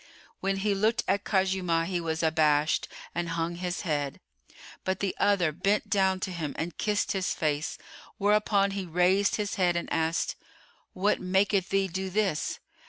When he looked at Khuzaymah, he was abashed and hung his head; but the other bent down to him and kissed his face; whereupon he raised his head and asked, "What maketh thee do this?"